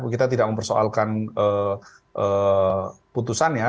kita tidak mempersoalkan putusannya